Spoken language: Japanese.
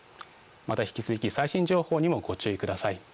また、引き続き最新情報にもご注意ください。